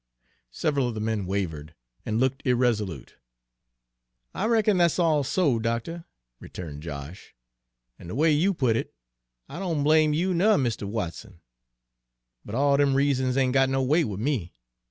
Several of the men wavered, and looked irresolute. "I reckon that's all so, doctuh," returned Josh, "an', de way you put it, I don' blame you ner Mr. Watson; but all dem reasons ain' got no weight wid me.